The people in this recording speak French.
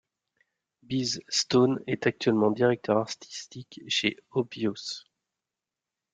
Biz Stone est actuellement Directeur Artistique chez Obvious.